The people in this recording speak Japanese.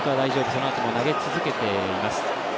そのあとも投げ続けています。